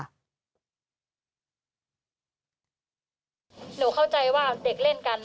หนูเข้าใจว่าเด็กเล่นกัน